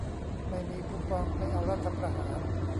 ไม่มีคูปองไม่เอารัฐประหาร